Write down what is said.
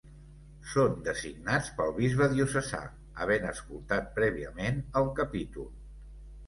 Són designats pel bisbe diocesà, havent escoltat prèviament el capítol.